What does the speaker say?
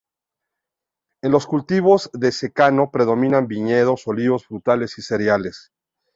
En los cultivos de secano predominan viñedos, olivos, frutales y cereales.